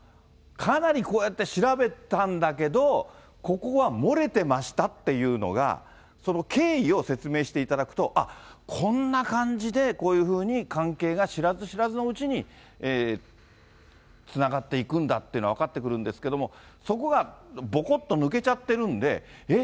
かなりこうやって調べたんだけど、ここは漏れてましたっていうのが、経緯を説明していただくと、あっ、こんな感じで、こういうふうに関係が知らず知らずのうちにつながっていくんだということが分かってくるんですけども、そこがぼこっと抜けちゃってるんで、え？